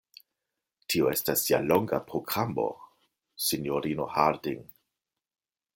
Tio estas ja longa programo, sinjorino Harding.